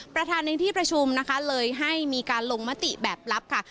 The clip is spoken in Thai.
ประธานในที่ประชุมนะคะเลยให้มีการลงมติแบบลับค่ะ